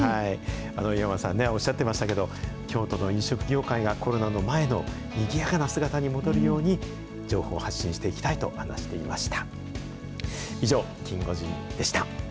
岩間さんね、おっしゃってましたけれども、京都の飲食業界がコロナの前のにぎやかな姿に戻るように、情報発信していきたいと話していました。